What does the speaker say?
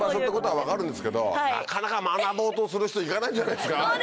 分かるんですけどなかなか学ぼうとする人行かないんじゃないんですか？